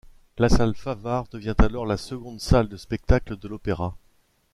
La salle Favart devient alors la seconde salle de spectacle de l'Opéra.